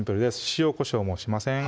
塩・こしょうもしません